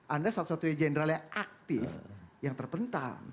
anda satu satunya jenderal yang aktif yang terpental